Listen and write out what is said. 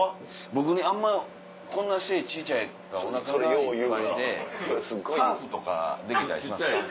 僕ねあんまこんな背小ちゃいからお腹がいっぱいでハーフとかできたりします？